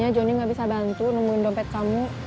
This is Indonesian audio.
ya udah disuruh gua